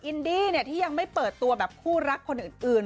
อินดี้ที่ยังไม่เปิดตัวแบบคู่รักคนอื่น